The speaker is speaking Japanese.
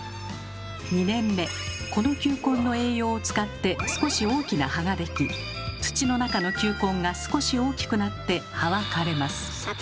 ２年目この球根の栄養を使って少し大きな葉ができ土の中の球根が少し大きくなって葉は枯れます。